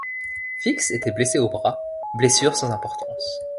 Fix était blessé au bras, blessure sans importance.